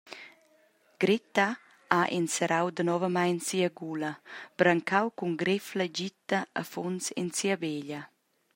Gretta ha enserrau danovamein sia gula, brancau cun grefla gita afuns en sia beglia.